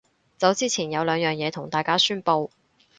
走之前有兩樣嘢同大家宣佈